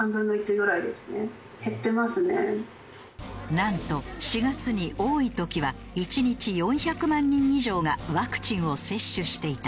なんと４月に多い時は１日４００万人以上がワクチンを接種していた。